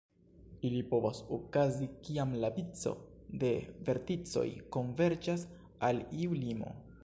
Ili povas okazi, kiam la vico de verticoj konverĝas al iu limo.